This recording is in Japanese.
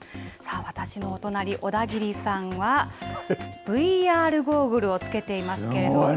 私のお隣、小田切さんはＶＲゴーグルを付けていますけれども。